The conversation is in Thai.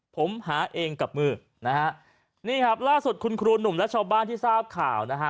ผมหาเองกับมือนะฮะนี่ครับล่าสุดคุณครูหนุ่มและชาวบ้านที่ทราบข่าวนะฮะ